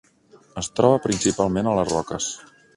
Es troba principalment a les roques.